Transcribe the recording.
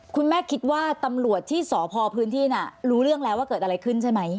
คุณแม่คิดว่าตำรวจที่สพพื้นที่น่ะรู้เรื่องแล้วว่าเกิดอะไรขึ้นใช่ไหม